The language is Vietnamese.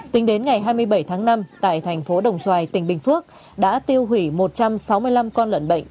tính đến ngày hai mươi bảy tháng năm tại thành phố đồng xoài tỉnh bình phước đã tiêu hủy một trăm sáu mươi năm con lợn bệnh